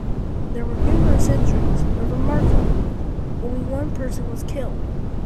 There were numerous injuries, but remarkably, only one person was killed.